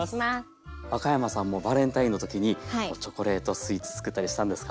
若山さんもバレンタインの時にチョコレートスイーツつくったりしたんですか？